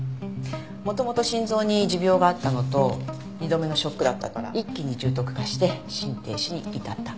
元々心臓に持病があったのと２度目のショックだったから一気に重篤化して心停止に至った。